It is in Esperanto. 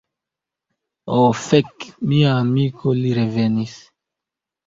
Ho fek. Mia amiko, li revenis.